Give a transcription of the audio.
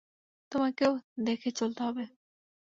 তোমাকেও দেখে চলতে হবে।